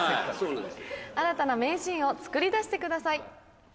「新たな名シーンを作り出してください」。